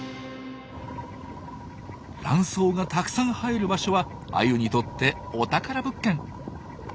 ラン藻がたくさん生える場所はアユにとってお宝物件。